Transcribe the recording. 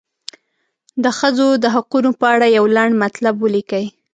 د ښځو د حقونو په اړه یو لنډ مطلب ولیکئ.